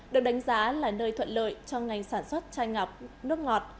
được đánh giá là nơi thuận lợi cho ngành sản xuất chai ngọc nước ngọt